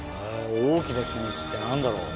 大きな秘密って何だろう？